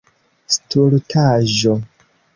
Stultaĵo!